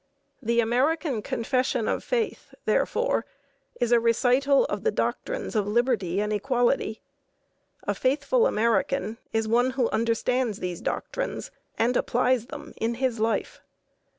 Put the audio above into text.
The American confession of faith, therefore, is a recital of the doctrines of liberty and equality. A faithful American is one who understands these doctrines and applies them in his life.